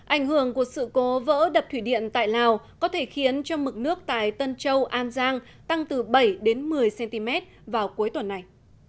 ảnh hưởng của sự cố vỡ đập thủy điện tại lào có thể khiến cho mực nước tại tân châu an giang tăng từ bảy một mươi cm vào cuối tuần này